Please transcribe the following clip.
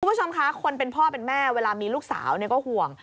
คุณผู้ชมคะคนเป็นพ่อเป็นแม่เวลามีลูกสาวก็ห่วง